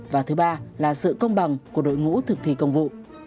và thứ ba là sự công bằng của đội ngũ thực thi công vụ